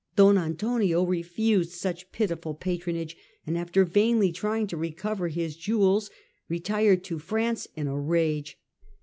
Don Antonio refused such pitiful patronage, and after vainly trying to recover his jewels, retired to France in a rage.